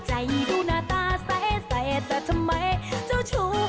ใจดูหน้าตาใสแต่ทำไมเจ้าชู้